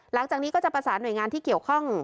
หลังจากนี้ก็จะประสานหน่วยงานที่เกี่ยวข้อง